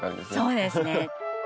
そうですね。